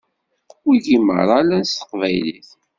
Wigi meṛṛa llan s teqbaylit.